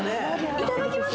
いただきます